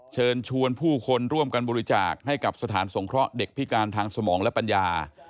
เชิญชวนผู้คนร่วมกันบริจาคให้กับสถานสงเคราะห์เด็กพิการทางสมองและปัญญา